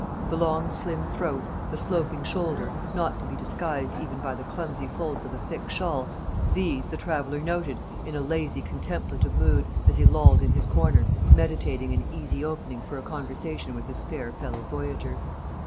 The long slim throat, the sloping shoulder, not to be disguised even by the clumsy folds of a thick shawl these the traveller noted, in a lazy contemplative mood, as he lolled in his corner, meditating an easy opening for a conversation with his fair fellow voyager.